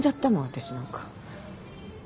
私なんか。